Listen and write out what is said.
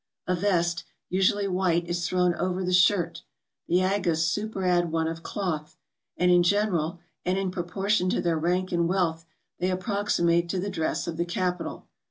A vest, usually white, is thrown over the shirt; the Agas superadd one of cloth; and in general, and in proportion to their rank and wealth, they approximate to the dress of the capital.